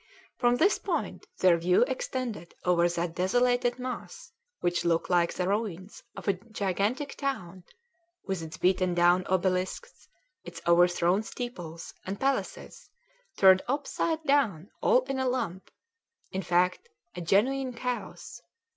From this point their view extended over that desolated mass which looked like the ruins of a gigantic town with its beaten down obelisks, its overthrown steeples and palaces turned upside down all in a lump in fact, a genuine chaos.